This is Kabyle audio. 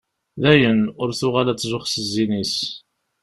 Dayen, ur tuɣal ad tzuxx s zzin-is.